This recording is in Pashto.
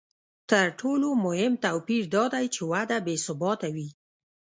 تر ټولو مهم توپیر دا دی چې وده بې ثباته وي